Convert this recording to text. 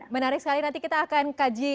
menarik sekali nanti kita akan kaji